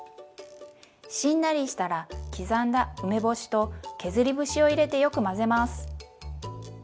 しんなりしたら刻んだ梅干しと削り節を入れてよく混ぜます。